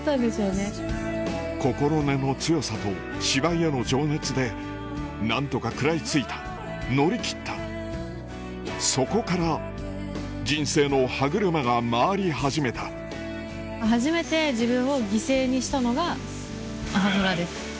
心根の強さと芝居への情熱で何とか食らい付いた乗り切ったそこから人生の歯車が回り始めた初めて自分を犠牲にしたのが朝ドラです。